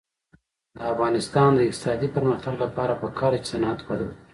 د افغانستان د اقتصادي پرمختګ لپاره پکار ده چې صنعت وده وکړي.